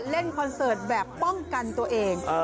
คอนเสิร์ตแบบป้องกันตัวเอง